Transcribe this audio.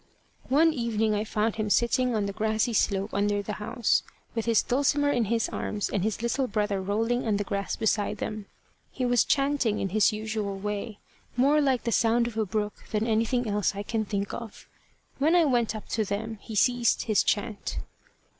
One evening I found him sitting on the grassy slope under the house, with his Dulcimer in his arms and his little brother rolling on the grass beside them. He was chanting in his usual way, more like the sound of a brook than anything else I can think of. When I went up to them he ceased his chant.